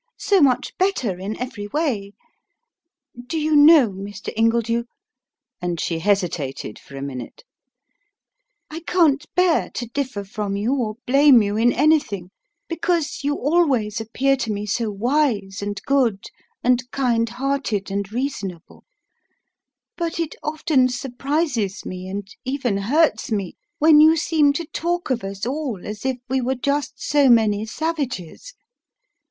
So much better in every way. Do you know, Mr. Ingledew," and she hesitated for a minute, "I can't bear to differ from you or blame you in anything, because you always appear to me so wise and good and kind hearted and reasonable; but it often surprises me, and even hurts me, when you seem to talk of us all as if we were just so many savages.